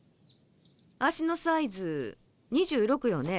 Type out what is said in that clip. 足のサイズ２６よね。